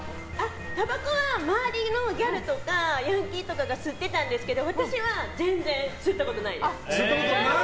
たばこは周りのギャルとかヤンキーとかが吸ってたんですけど私は全然吸ったことないです。